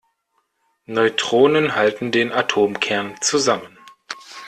Neutronen halten den Atomkern zusammen.